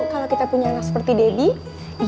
kalau kita punya anak seperti debbie